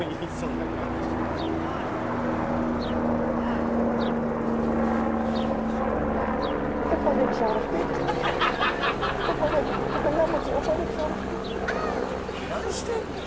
なんしてんねん？